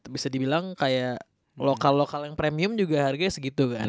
bisa dibilang kayak lokal lokal yang premium juga harganya segitu kan